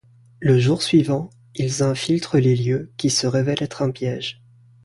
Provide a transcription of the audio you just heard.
Le jour suivant, ils infiltrent les lieux, qui se révèle être un piège.